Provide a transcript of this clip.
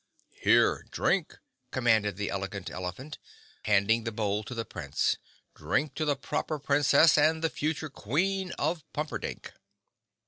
"Here! Drink!" commanded the Elegant Elephant, handing the bowl to the Prince. "Drink to the Proper Princess and the future Queen of Pumperdink."